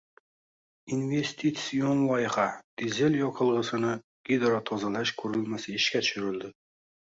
Investitsion loyiha: Dizel yoqilg‘isini gidrotozalash qurilmasi ishga tushirildi